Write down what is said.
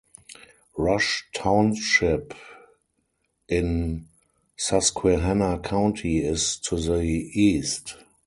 Rush Township in Susquehanna County is to the east.